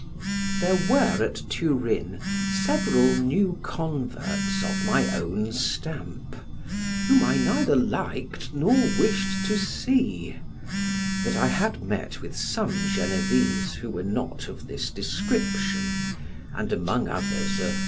There were at Turin several new converts of my own stamp, whom I neither liked nor wish to see; but I had met with some Genevese who were not of this description, and among others a M.